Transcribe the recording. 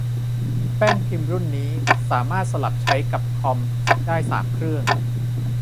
แป้นพิมพ์รุ่นนี้ สามารถสลับใช้กับคอมได้สามเครื่อง